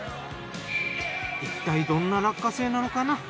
いったいどんな落花生なのかな？